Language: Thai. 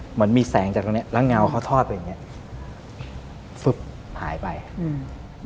เหมือนมีแสงจากตรงเนี้ยแล้วเงาเขาทอดไปอย่างเงี้ยฟึ๊บหายไปอืม